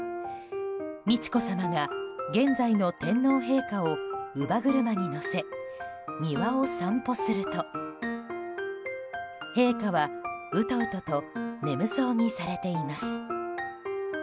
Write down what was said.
美智子さまが現在の天皇陛下を乳母車に乗せ庭を散歩すると陛下はウトウトと眠そうにされています。